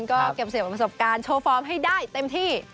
ก็เก็บเสียงประสบการณ์โชว์ฟอร์มให้ได้เต็มที่